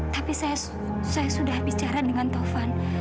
tapi saya sudah bicara dengan tovan